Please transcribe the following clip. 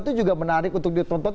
itu juga menarik untuk ditonton